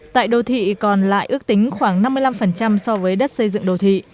tại đô thị còn lại ước tính khoảng năm mươi năm so với đất xây dựng đô thị